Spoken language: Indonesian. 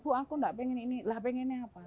bu aku nggak pengen ini lah pengennya apa